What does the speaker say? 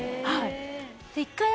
はい。